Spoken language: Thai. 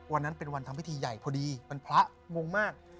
วันนั้นเป็นวันทำพิธีใหญ่พอดีวันพระงงมาก